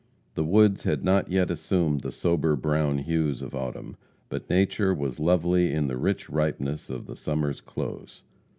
The woods had not yet assumed the sober brown hues of autumn, but nature was lovely in the rich ripeness of the summer's close.